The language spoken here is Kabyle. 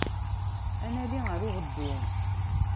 Ad nali ɣer uɣeddu.